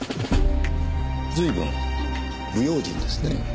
随分無用心ですねぇ。